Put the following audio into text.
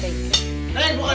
neng bukan begitu neng